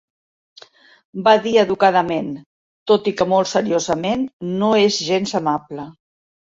Va dir educadament, tot i que molt seriosament: "no és gens amable".